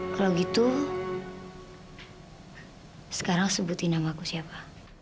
kalau gitu sekarang sebutin nama aku siapa